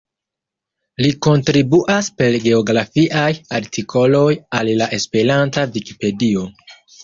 Li kontribuas per geografiaj artikoloj al la Esperanta Vikipedio.